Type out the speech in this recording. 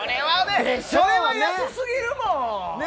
それは安すぎるもん！